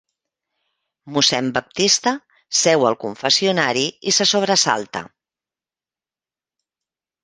Mossèn Baptista seu al confessionari i se sobresalta.